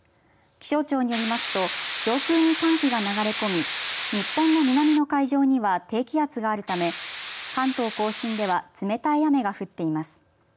気象庁によりますと上空に寒気が流れ込み日本の南の海上には低気圧があるため関東甲信では冷たい雨が降っています。